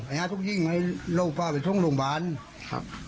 ไอ้ยาทุกยิงไอ้โลกพาไปทั้งโรงพยาบาลครับ